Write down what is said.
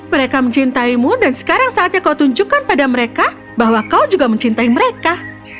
mereka mencintaimu dan sekarang saatnya kau tunjukkan pada mereka bahwa kau juga mencintai mereka